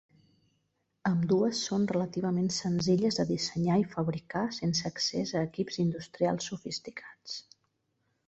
Ambdues són relativament senzilles de dissenyar i fabricar sense accés a equips industrials sofisticats.